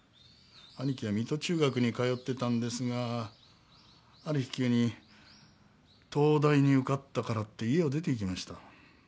兄貴は水戸中学に通ってたんですがある日急に東大に受かったからって家を出ていきました。